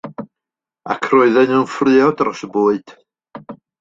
Ac roedden nhw'n ffraeo dros y bwyd.